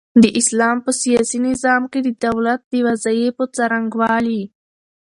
د اسلام په سياسي نظام کي د دولت د وظايفو څرنګوالي